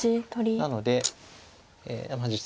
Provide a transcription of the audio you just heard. なので実戦